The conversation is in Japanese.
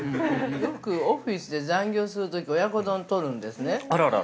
◆よくオフィスで残業するとき親子丼を取るんですね。